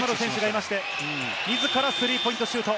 自らスリーポイントシュート。